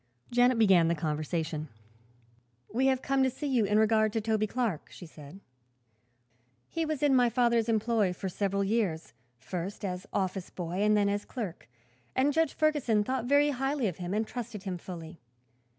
Janet began the conversation. "We have come to see you in regard to Toby Clark," she said. "He was in my father's employ for several years, first as office boy and then as clerk, and Judge Ferguson thought very highly of him and trusted him fully.